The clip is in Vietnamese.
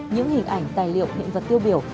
những hình ảnh tài liệu hiện vật tiêu biểu